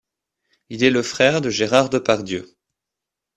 Il est le frère de Gérard Depardieu.